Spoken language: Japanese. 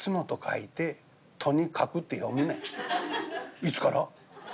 「いつから？」。